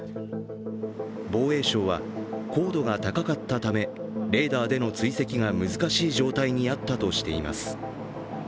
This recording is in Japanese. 防衛省は高度が高かったため、レーダーでの追跡が難しい状態にあったとしています。